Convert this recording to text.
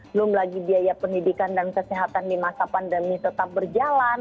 belum lagi biaya pendidikan dan kesehatan di masa pandemi tetap berjalan